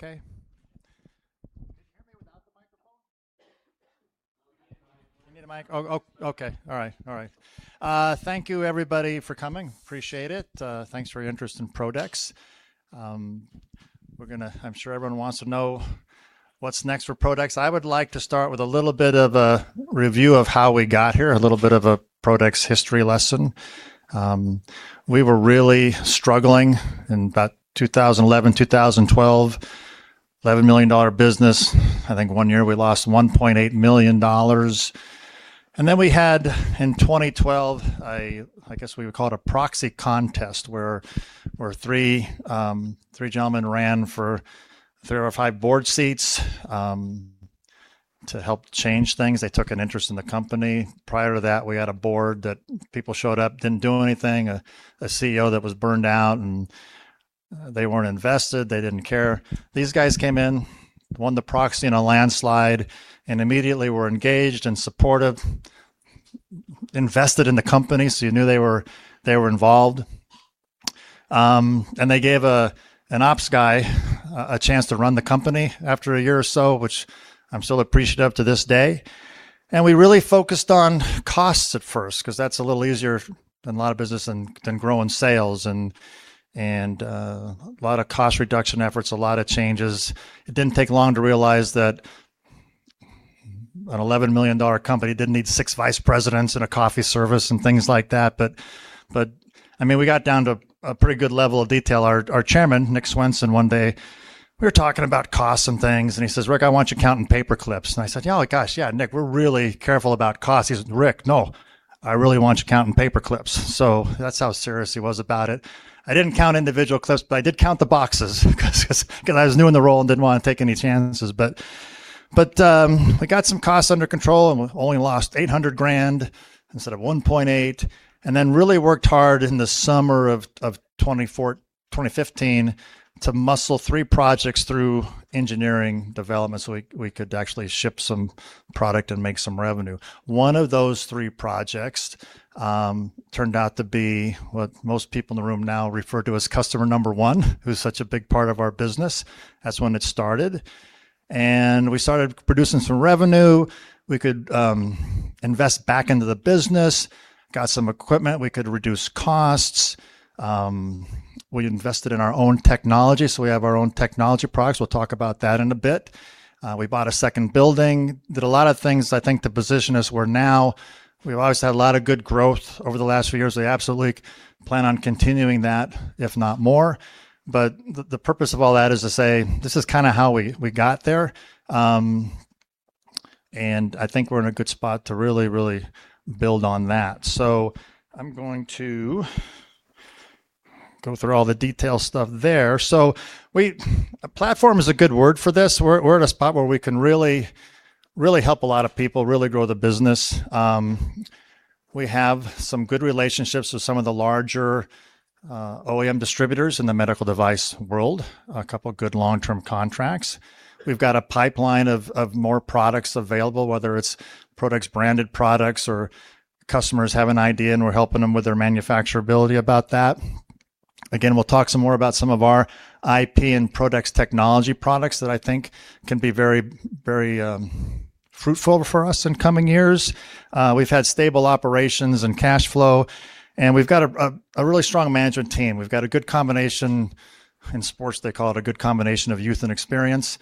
Okay. Can you hear me without the microphone? We need a mic. You need a mic? Oh, okay. All right. Thank you everybody for coming. Appreciate it. Thanks for your interest in Pro-Dex. I'm sure everyone wants to know what's next for Pro-Dex. I would like to start with a little bit of a review of how we got here, a little bit of a Pro-Dex history lesson. We were really struggling in about 2011, 2012. $11 million business. I think one year we lost $1.8 million. Then we had, in 2012, I guess we would call it a proxy contest, where three gentlemen ran for three or five board seats, to help change things. They took an interest in the company. Prior to that, we had a board that people showed up, didn't do anything, a CEO that was burned out, and they weren't invested, they didn't care. These guys came in, won the proxy in a landslide, immediately were engaged and supportive, invested in the company, you knew they were involved. They gave an ops guy a chance to run the company after a year or so, which I'm still appreciative to this day. We really focused on costs at first, because that's a little easier than a lot of business than growing sales, a lot of cost reduction efforts, a lot of changes. It didn't take long to realize that an $11 million company didn't need six vice presidents and a coffee service and things like that. We got down to a pretty good level of detail. Our chairman, Nick Swenson, one day we were talking about costs and things, he says, "Rick, I want you counting paperclips." I said, "Oh, gosh. Nick, we're really careful about costs." He said, "Rick, no. I really want you counting paperclips." That's how serious he was about it. I didn't count individual clips, but I did count the boxes, because I was new in the role and didn't want to take any chances. We got some costs under control, and we only lost $800,000 instead of $1.8 million, really worked hard in the summer of 2015 to muscle three projects through engineering development so we could actually ship some product and make some revenue. One of those three projects turned out to be what most people in the room now refer to as customer number one, who's such a big part of our business. That's when it started. We started producing some revenue. We could invest back into the business, got some equipment. We could reduce costs. We invested in our own technology, we have our own technology products. We'll talk about that in a bit. We bought a second building, did a lot of things, I think, to position us where now we've always had a lot of good growth over the last few years. We absolutely plan on continuing that, if not more. The purpose of all that is to say this is kind of how we got there. I think we're in a good spot to really, really build on that. I'm going to go through all the detail stuff there. Platform is a good word for this. We're at a spot where we can really help a lot of people, really grow the business. We have some good relationships with some of the larger OEM distributors in the medical device world, a couple of good long-term contracts. We've got a pipeline of more products available, whether it's Pro-Dex branded products or customers have an idea, and we're helping them with their manufacturability about that. Again, we'll talk some more about some of our IP and Pro-Dex technology products that I think can be very fruitful for us in coming years. We've had stable operations and cash flow, we've got a really strong management team. We've got a good combination, in sports, they call it a good combination of youth and experience.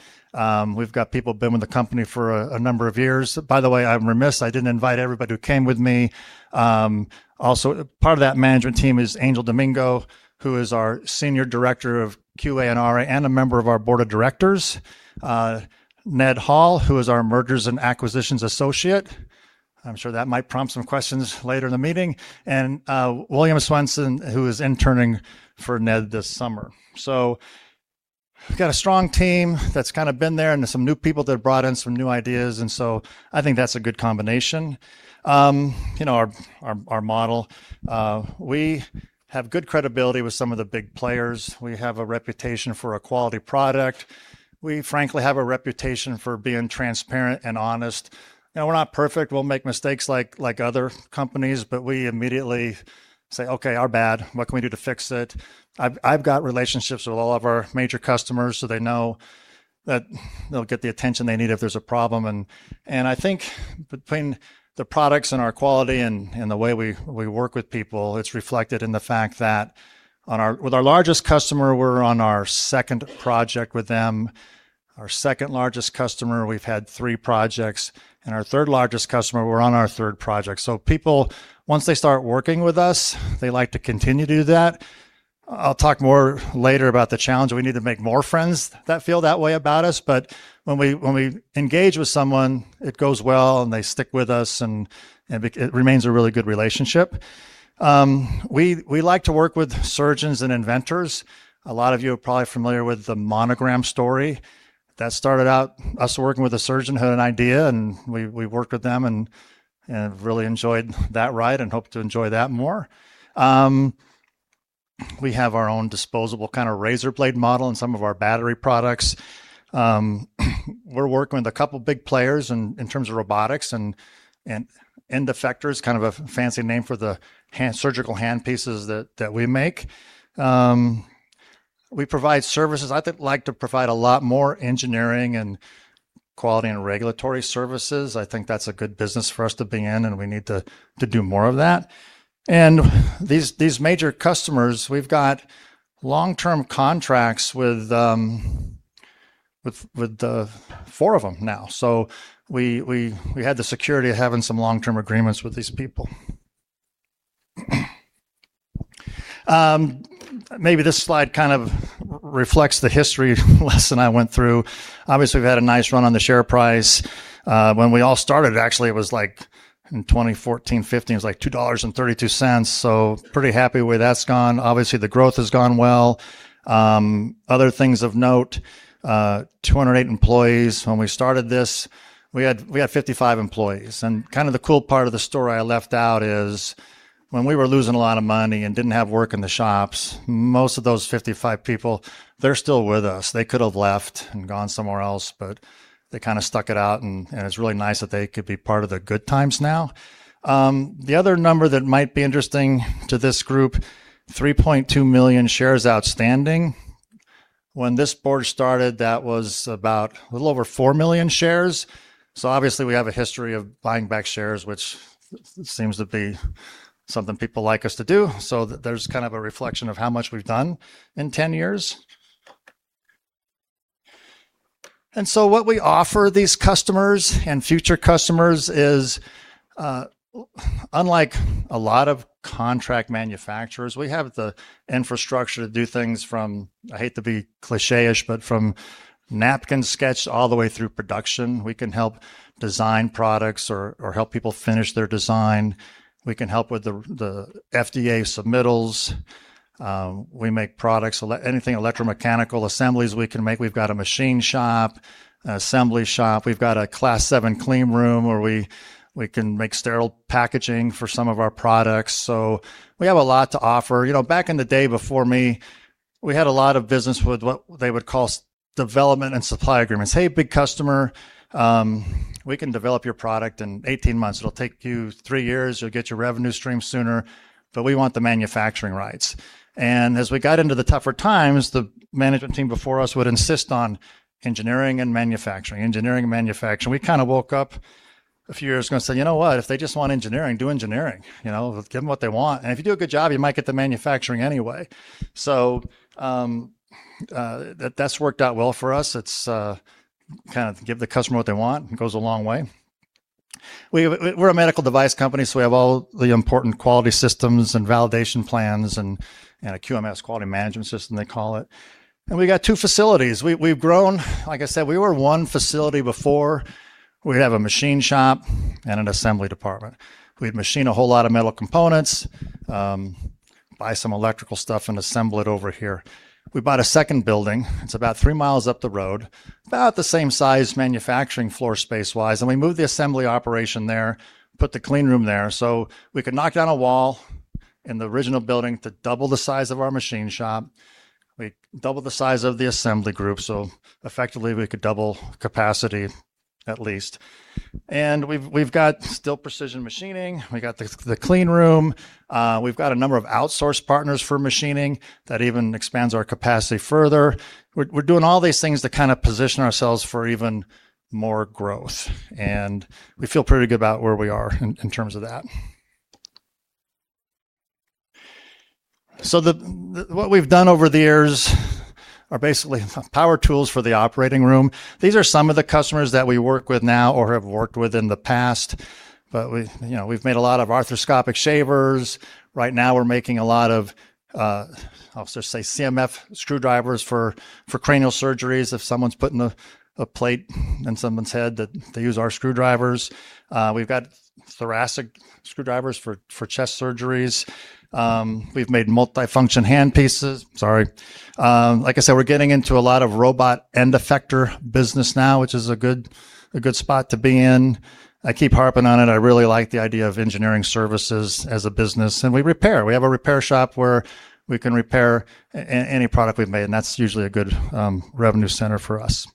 We've got people who've been with the company for a number of years. By the way, I'm remiss, I didn't invite everybody who came with me. Also, part of that management team is Angel Domingo, who is our Senior Director of QA and RA and a member of our board of directors. Ned Hall, who is our Mergers and Acquisitions Associate. I'm sure that might prompt some questions later in the meeting. William Swenson, who is interning for Ned this summer. We've got a strong team that's kind of been there and there's some new people that have brought in some new ideas, I think that's a good combination. Our model, we have good credibility with some of the big players. We have a reputation for a quality product. We frankly have a reputation for being transparent and honest. We're not perfect. We'll make mistakes like other companies, we immediately say, "Okay, our bad. What can we do to fix it?" I've got relationships with all of our major customers, they know that they'll get the attention they need if there's a problem, and I think between the products and our quality and the way we work with people, it's reflected in the fact that with our largest customer, we're on our second project with them. Our second-largest customer, we've had three projects, and our third-largest customer, we're on our third project. People, once they start working with us, they like to continue to do that. I'll talk more later about the challenge that we need to make more friends that feel that way about us. When we engage with someone, it goes well, and they stick with us, and it remains a really good relationship. We like to work with surgeons and inventors. A lot of you are probably familiar with the Monogram story. That started out us working with a surgeon who had an idea, and we worked with them and have really enjoyed that ride and hope to enjoy that more. We have our own disposable kind of razor blade model in some of our battery products. We're working with a couple of big players and in terms of robotics and end effectors, kind of a fancy name for the surgical hand pieces that we make. We provide services. I'd like to provide a lot more engineering and quality and regulatory services. I think that's a good business for us to be in, and we need to do more of that. These major customers, we've got long-term contracts with the four of them now. We had the security of having some long-term agreements with these people. Maybe this slide kind of reflects the history lesson I went through. Obviously, we've had a nice run on the share price. When we all started, actually, it was like in 2014, 2015, it was like $2.32. Pretty happy where that's gone. Obviously, the growth has gone well. Other things of note, 208 employees. When we started this, we had 55 employees. Kind of the cool part of the story I left out is when we were losing a lot of money and didn't have work in the shops, most of those 55 people, they're still with us. They could have left and gone somewhere else, but they kind of stuck it out, and it's really nice that they could be part of the good times now. The other number that might be interesting to this group, 3.2 million shares outstanding. When this board started, that was about a little over 4 million shares. Obviously, we have a history of buying back shares, which seems to be something people like us to do. There's kind of a reflection of how much we've done in 10 years. What we offer these customers and future customers is, unlike a lot of contract manufacturers, we have the infrastructure to do things from, I hate to be cliche-ish, but from napkin sketch all the way through production. We can help design products or help people finish their design. We can help with the FDA submittals. We make products, anything electromechanical assemblies we can make. We've got a machine shop, an assembly shop. We've got a Class 7 clean room where we can make sterile packaging for some of our products. We have a lot to offer. Back in the day before me, we had a lot of business with what they would call development and supply agreements. "Hey, big customer, we can develop your product in 18 months. It'll take you three years. You'll get your revenue stream sooner, but we want the manufacturing rights." As we got into the tougher times, the management team before us would insist on engineering and manufacturing, engineering and manufacturing. We kind of woke up a few years ago and said, "You know what? If they just want engineering, do engineering. Give them what they want. If you do a good job, you might get the manufacturing anyway." That's worked out well for us. It's kind of give the customer what they want. It goes a long way. We're a medical device company, so we have all the important quality systems and validation plans and a QMS, quality management system, they call it. We've got two facilities. We've grown. Like I said, we were one facility before. We'd have a machine shop and an assembly department. We'd machine a whole lot of metal components, buy some electrical stuff, and assemble it over here. We bought a second building. It's about 3 mi up the road, about the same size manufacturing floor space-wise, we moved the assembly operation there, put the clean room there, so we could knock down a wall in the original building to double the size of our machine shop. We doubled the size of the assembly group, so effectively, we could double capacity at least. We've got still precision machining. We got the clean room. We've got a number of outsource partners for machining that even expands our capacity further. We're doing all these things to kind of position ourselves for even more growth, and we feel pretty good about where we are in terms of that. What we've done over the years are basically power tools for the operating room. These are some of the customers that we work with now or have worked with in the past, but we've made a lot of arthroscopic shavers. Right now, we're making a lot of, I'll just say CMF screwdrivers for cranial surgeries. If someone's putting a plate in someone's head, they use our screwdrivers. We've got thoracic screwdrivers for chest surgeries. We've made multifunction hand pieces. Sorry. Like I said, we're getting into a lot of robot end-effector business now, which is a good spot to be in. I keep harping on it. I really like the idea of engineering services as a business, and we repair. We have a repair shop where we can repair any product we've made, and that's usually a good revenue center for us.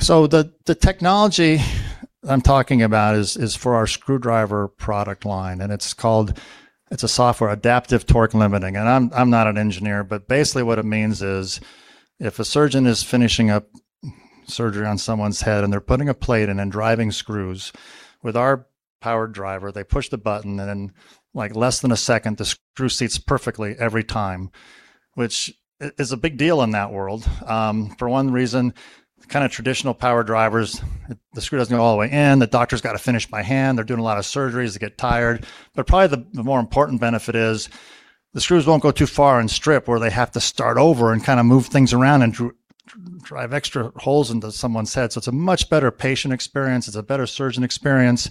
The technology I'm talking about is for our screwdriver product line, and it's a software, Adaptive Torque Limiting. I'm not an engineer, but basically what it means is if a surgeon is finishing up surgery on someone's head and they're putting a plate in and driving screws, with our powered driver, they push the button and in like less than a second, the screw seats perfectly every time, which is a big deal in that world. For one reason, kind of traditional power drivers, the screw doesn't go all the way in. The doctor's got to finish by hand. They're doing a lot of surgeries. They get tired. Probably the more important benefit is the screws won't go too far and strip where they have to start over and kind of move things around and drive extra holes into someone's head. It's a much better patient experience. It's a better surgeon experience,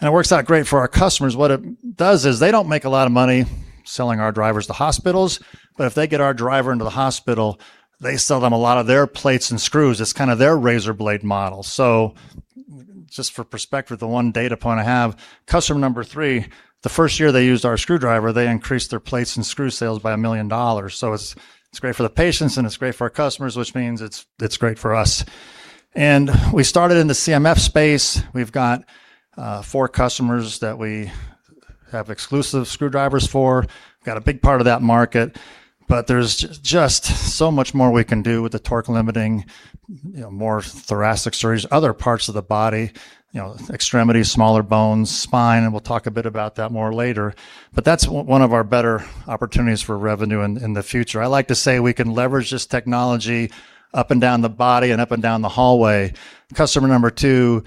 and it works out great for our customers. What it does is they don't make a lot of money selling our drivers to hospitals, but if they get our driver into the hospital, they sell them a lot of their plates and screws. It's kind of their razor-blade model. Just for perspective, the one data point I have, customer number three, the first year they used our screwdriver, they increased their plates and screw sales by $1 million. It's great for the patients and it's great for our customers, which means it's great for us. We started in the CMF space. We've got four customers that we have exclusive screwdrivers for. We've got a big part of that market, but there's just so much more we can do with the torque limiting, more thoracic surgeries, other parts of the body, extremities, smaller bones, spine, and we'll talk a bit about that more later. That's one of our better opportunities for revenue in the future. I like to say we can leverage this technology up and down the body and up and down the hallway. Customer number two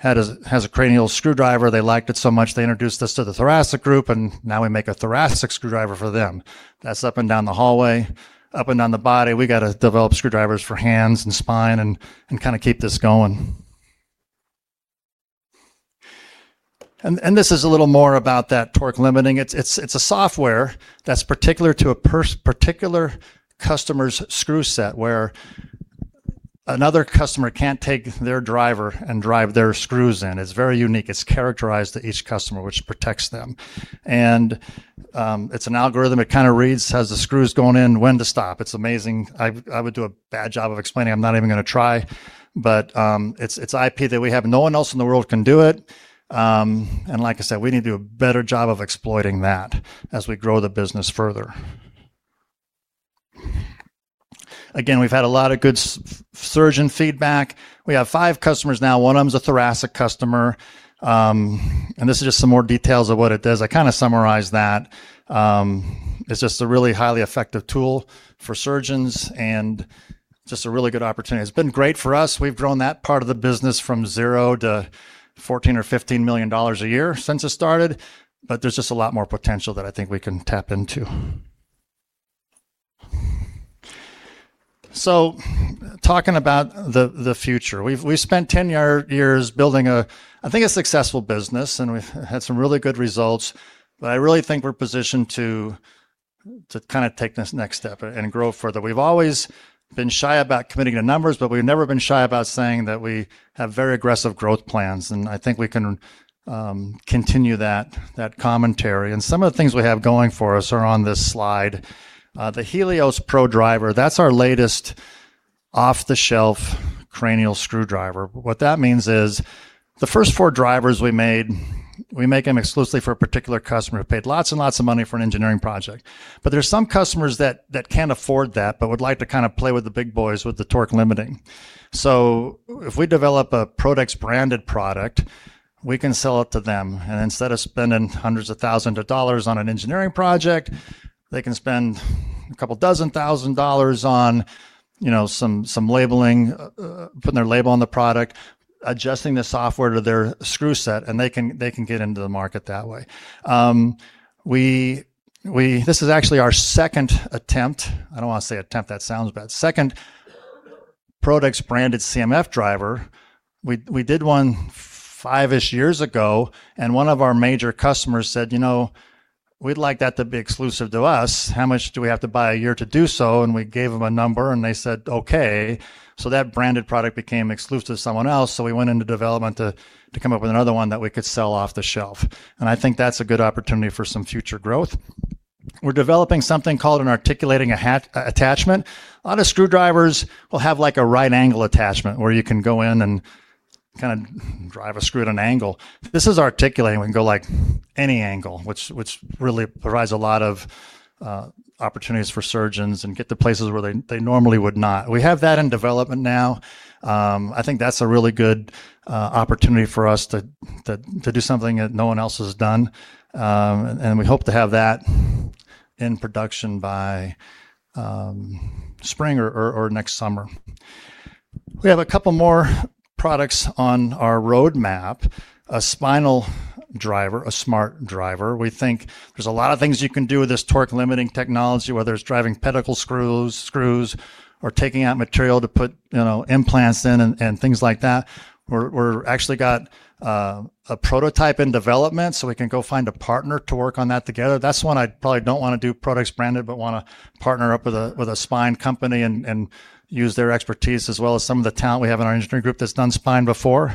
has a cranial screwdriver. They liked it so much, they introduced us to the thoracic group, and now we make a thoracic screwdriver for them. That's up and down the hallway, up and down the body. We got to develop screwdrivers for hands and spine and kind of keep this going. This is a little more about that torque limiting. It's a software that's particular to a particular customer's screw set where another customer can't take their driver and drive their screws in. It's very unique. It's characterized to each customer, which protects them. It's an algorithm. It kind of reads, has the screws going in, when to stop. It's amazing. I would do a bad job of explaining. I'm not even going to try. It's IP that we have. No one else in the world can do it. Like I said, we need to do a better job of exploiting that as we grow the business further. Again, we've had a lot of good surgeon feedback. We have five customers now. One of them is a thoracic customer. This is just some more details of what it does. I kind of summarized that. It's just a really highly effective tool for surgeons and just a really good opportunity. It's been great for us. We've grown that part of the business from $0 to $14 million or $15 million a year since it started, but there's just a lot more potential that I think we can tap into. Talking about the future. We've spent 10 years building, I think, a successful business and we've had some really good results, but I really think we're positioned to kind of take this next step and grow further. We've always been shy about committing to numbers, but we've never been shy about saying that we have very aggressive growth plans and I think we can continue that commentary. Some of the things we have going for us are on this slide. The Helios Pro driver, that's our latest off-the-shelf cranial screwdriver. What that means is the first four drivers we made, we make them exclusively for a particular customer who paid lots and lots of money for an engineering project. There's some customers that can't afford that but would like to kind of play with the big boys with the torque limiting. If we develop a Pro-Dex branded product, we can sell it to them. Instead of spending hundreds of thousands of dollars on an engineering project, they can spend a couple dozen thousand dollars on some labeling, putting their label on the product, adjusting the software to their screw set, and they can get into the market that way. This is actually our second Pro-Dex branded CMF driver. We did one five-ish years ago and one of our major customers said, "We'd like that to be exclusive to us. How much do we have to buy a year to do so?" We gave them a number and they said, "Okay." That branded product became exclusive to someone else, we went into development to come up with another one that we could sell off the shelf. I think that's a good opportunity for some future growth. We're developing something called an articulating attachment. A lot of screwdrivers will have a right angle attachment where you can go in and kind of drive a screw at an angle. This is articulating. We can go any angle, which really provides a lot of opportunities for surgeons and get to places where they normally would not. We have that in development now. I think that's a really good opportunity for us to do something that no one else has done. We hope to have that in production by spring or next summer. We have a couple more products on our roadmap. A spinal driver, a smart driver. We think there's a lot of things you can do with this torque limiting technology, whether it's driving pedicle screws or taking out material to put implants in and things like that. We're actually got a prototype in development we can go find a partner to work on that together. That's one I probably don't want to do products branded but want to partner up with a spine company and use their expertise as well as some of the talent we have in our engineering group that's done spine before.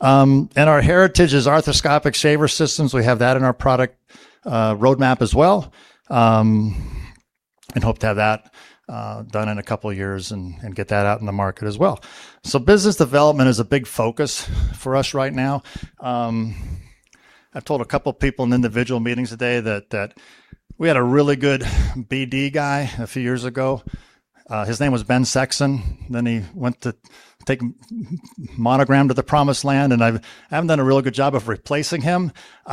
Our heritage is arthroscopic shaver systems. We have that in our product roadmap as well and hope to have that done in a couple of years and get that out in the market as well. Business development is a big focus for us right now. I've told a couple people in individual meetings today that we had a really good BD guy a few years ago. His name was Ben Sexson, he went to take Monogram to the promised land and I haven't done a real good job of replacing him. We've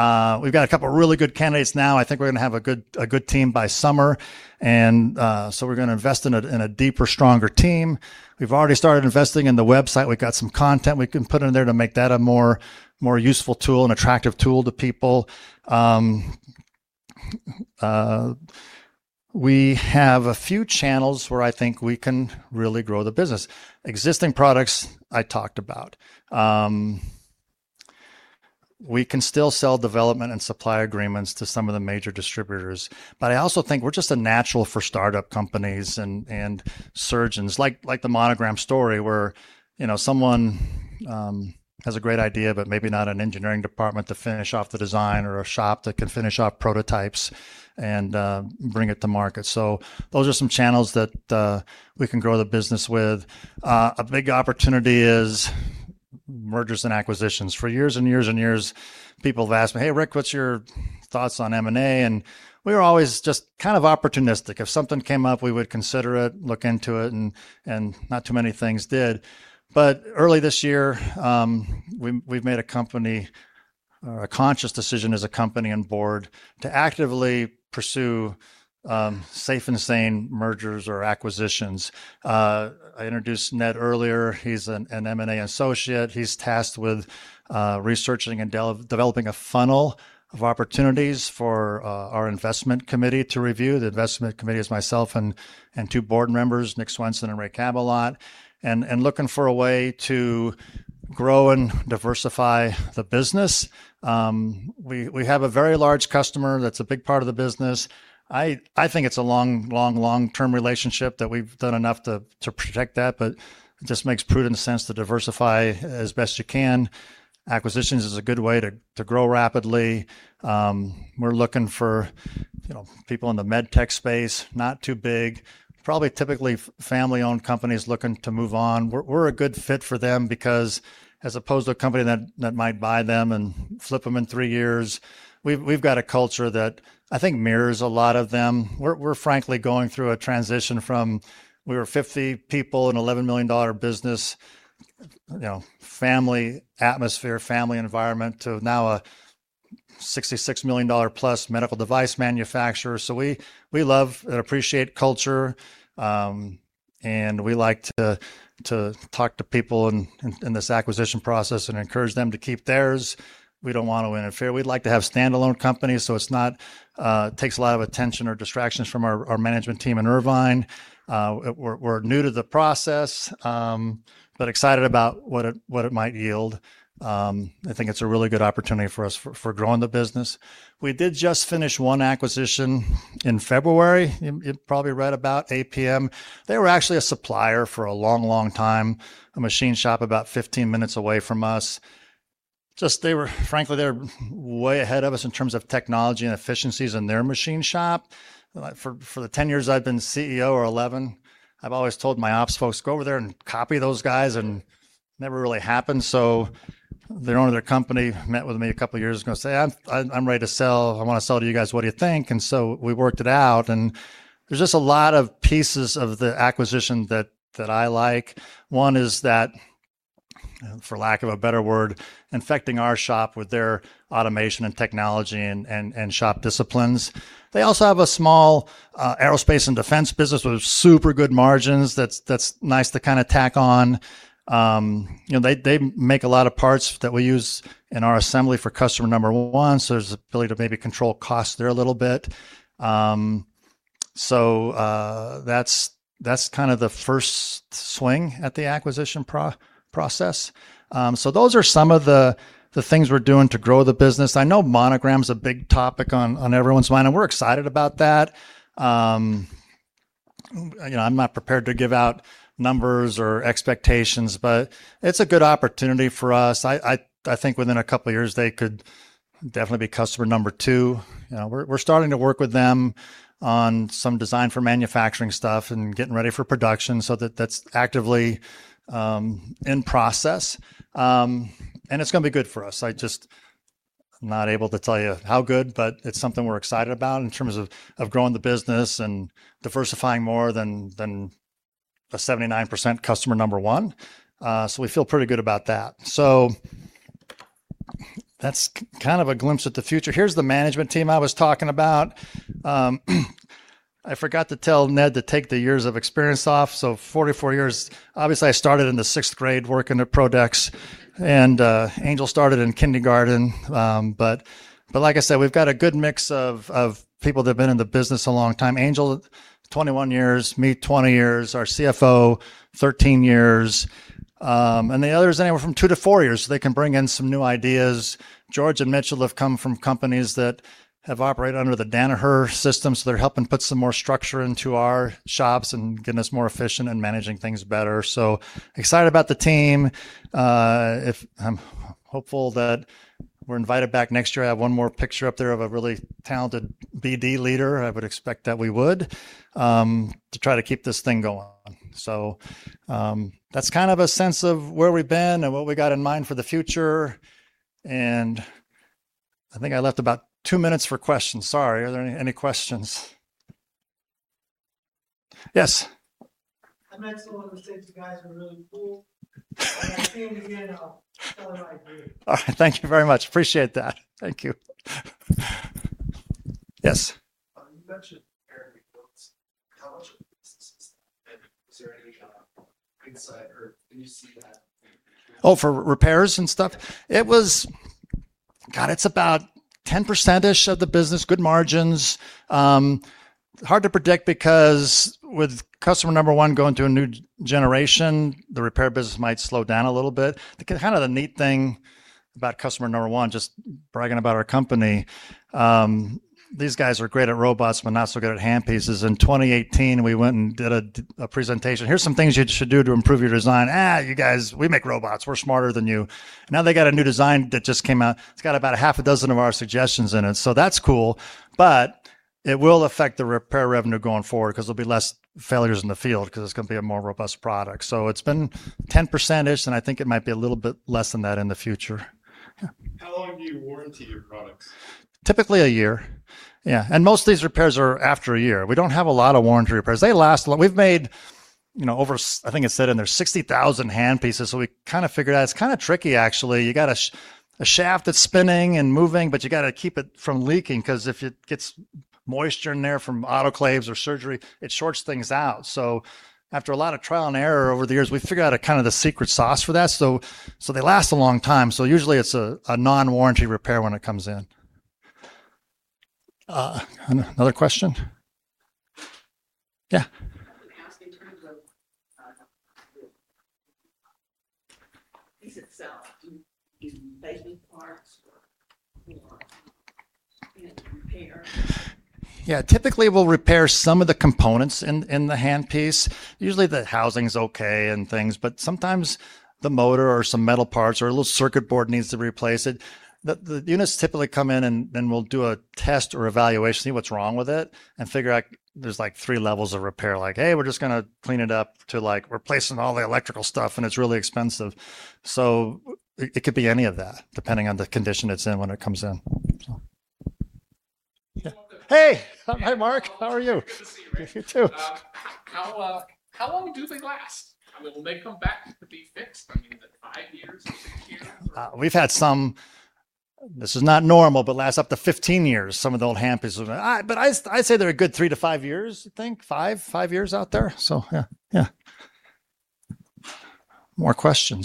got a couple of really good candidates now. I think we're going to have a good team by summer. We're going to invest in a deeper, stronger team. We've already started investing in the website. We've got some content we can put in there to make that a more useful tool and attractive tool to people. We have a few channels where I think we can really grow the business, existing products I talked about. We can still sell development and supply agreements to some of the major distributors, but I also think we're just a natural for startup companies and surgeons. Like the Monogram story, where someone has a great idea, but maybe not an engineering department to finish off the design or a shop that can finish off prototypes and bring it to market. Those are some channels that we can grow the business with. A big opportunity is mergers and acquisitions. For years and years and years, people have asked me, "Hey, Rick, what's your thoughts on M&A?" We were always just kind of opportunistic. If something came up, we would consider it, look into it, and not too many things did. Early this year, we've made a conscious decision as a company and board to actively pursue safe and sane mergers or acquisitions. I introduced Ned earlier. He's an M&A associate. He's tasked with researching and developing a funnel of opportunities for our investment committee to review. The investment committee is myself and two board members, Nick Swenson and Ray Cabillot. Looking for a way to grow and diversify the business. We have a very large customer that's a big part of the business. I think it's a long-term relationship that we've done enough to protect that, but it just makes prudent sense to diversify as best you can. Acquisitions is a good way to grow rapidly. We're looking for people in the MedTech space, not too big. Probably typically family-owned companies looking to move on. We're a good fit for them because as opposed to a company that might buy them and flip them in three years, we've got a culture that I think mirrors a lot of them. We're frankly going through a transition from, we were 50 people, an $11 million business, family atmosphere, family environment, to now a $66+ million medical device manufacturer. We love and appreciate culture, and we like to talk to people in this acquisition process and encourage them to keep theirs. We don't want to interfere. We'd like to have standalone companies so it's not takes a lot of attention or distractions from our management team in Irvine. We're new to the process, but excited about what it might yield. I think it's a really good opportunity for us for growing the business. We did just finish one acquisition in February, you probably read about, APM. They were actually a supplier for a long time, a machine shop about 15 minutes away from us. Frankly, they were way ahead of us in terms of technology and efficiencies in their machine shop. For the 10 years I've been CEO, or 11, I've always told my ops folks, "Go over there and copy those guys." Never really happened. The owner of their company met with me a couple of years ago, said, "I'm ready to sell. I want to sell to you guys. What do you think?" We worked it out, and there's just a lot of pieces of the acquisition that I like. One is that, for lack of a better word, infecting our shop with their automation and technology and shop disciplines. They also have a small aerospace and defense business with super good margins that's nice to kind of tack on. They make a lot of parts that we use in our assembly for customer number one, there's the ability to maybe control cost there a little bit. That's kind of the first swing at the acquisition process. Those are some of the things we're doing to grow the business. I know Monogram's a big topic on everyone's mind, and we're excited about that. I'm not prepared to give out numbers or expectations, but it's a good opportunity for us. I think within a couple of years, they could definitely be customer number two. We're starting to work with them on some design for manufacturing stuff and getting ready for production, that that's actively in process. It's going to be good for us. I'm just not able to tell you how good, but it's something we're excited about in terms of growing the business and diversifying more than a 79% customer number one. We feel pretty good about that. That's kind of a glimpse at the future. Here's the management team I was talking about. I forgot to tell Ned to take the years of experience off, 44 years. Obviously, I started in the sixth grade working at Pro-Dex, and Angel started in kindergarten. Like I said, we've got a good mix of people that have been in the business a long time. Angel, 21 years, me, 20 years, our CFO, 13 years. The others, anywhere from two to four years, so they can bring in some new ideas. George and Mitchell have come from companies that have operated under the Danaher systems, they're helping put some more structure into our shops and getting us more efficient and managing things better. Excited about the team. I'm hopeful that we're invited back next year. I have one more picture up there of a really talented BD leader. I would expect that we would, to try to keep this thing going. That's kind of a sense of where we've been and what we got in mind for the future, and I think I left about two minutes for questions. Sorry, are there any questions? Yes. I meant to want to say that you guys were really cool. I see you again, I'll tell him I agree. All right. Thank you very much. Appreciate that. Thank you. Yes. You mentioned repair requests. How much of the business is that? Is there any insight, or can you see that maybe increasing? For repairs and stuff? Yeah. It's about 10%-ish of the business, good margins. Hard to predict because with customer number one going to a new generation, the repair business might slow down a little bit. Kind of the neat thing about customer number one, just bragging about our company, these guys are great at robots, but not so good at hand pieces. In 2018, we went and did a presentation. Here's some things you should do to improve your design. "You guys, we make robots. We're smarter than you." Now they got a new design that just came out. It's got about a half a dozen of our suggestions in it, so that's cool. It will affect the repair revenue going forward because there'll be less failures in the field because it's going to be a more robust product. It's been 10%-ish, and I think it might be a little bit less than that in the future. Yeah. How long do you warranty your products? Typically a year. Yeah. Most of these repairs are after a year. We don't have a lot of warranty repairs. They last a long time. We've made over, I think it said in there, 60,000 hand pieces, we kind of figured out it's kind of tricky, actually. You got a shaft that's spinning and moving, but you got to keep it from leaking, because if it gets moisture in there from autoclaves or surgery, it shorts things out. After a lot of trial and error over the years, we figured out a kind of the secret sauce for that. They last a long time. Usually it's a non-warranty repair when it comes in. Another question? Yeah. I was going to ask in terms of the piece itself, do you use replacement parts or do you repair? Typically, we'll repair some of the components in the hand piece. Usually, the housing's okay and things, but sometimes the motor or some metal parts or a little circuit board needs to be replaced. The units typically come in, and then we'll do a test or evaluation, see what's wrong with it and figure out. There are three levels of repair, like, "Hey, we're just going to clean it up," to replacing all the electrical stuff, and it's really expensive. It could be any of that depending on the condition it's in when it comes in. Welcome. Hey. Hi, Mark. How are you? Good to see you. You too. How long do they last? When will they come back to be fixed? Is it five years or six years? We've had some, this is not normal, but last up to 15 years, some of the old hand pieces. I say they're a good three to five years, I think, five years out there. More questions.